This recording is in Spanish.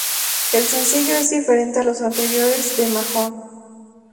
El sencillo es diferente a los anteriores de Mahone.